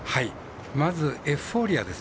まずエフフォーリアです。